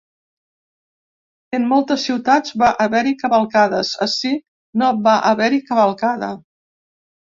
En moltes ciutats va haver-hi cavalcades, ací no va haver-hi cavalcada.